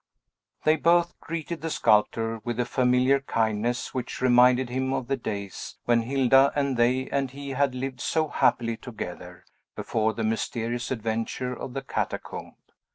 They both greeted the sculptor with a familiar kindness which reminded him of the days when Hilda and they and he had lived so happily together, before the mysterious adventure of the catacomb.